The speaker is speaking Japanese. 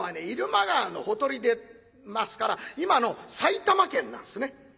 入間川のほとりでますから今の埼玉県なんですね。